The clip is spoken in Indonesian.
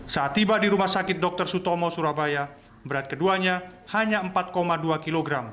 saat tiba di rumah sakit dr sutomo surabaya berat keduanya hanya empat dua kg